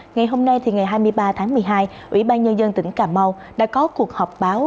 ngày hôm nay ngày hai mươi ba tháng một mươi hai ủy ban nhân dân tỉnh cà mau đã có cuộc họp báo